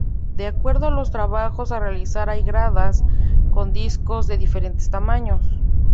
De acuerdo a los trabajos a realizar hay gradas con discos de diferentes tamaños.